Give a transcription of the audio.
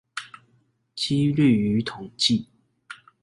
機率與統計